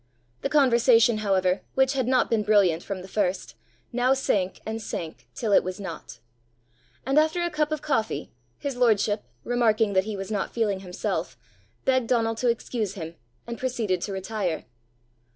The conversation, however, which had not been brilliant from the first, now sank and sank till it was not; and after a cup of coffee, his lordship, remarking that he was not feeling himself, begged Donal to excuse him, and proceeded to retire.